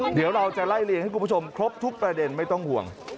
เดี๋ยวเราจะไล่เรียงให้คุณผู้ชมครบทุกประเด็นไม่ต้องห่วง